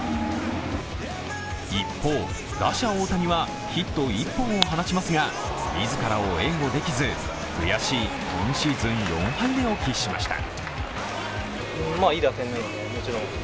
一方、打者・大谷はヒット１本を放ちますが自らを援護できず悔しい今シーズン４敗目を喫しました。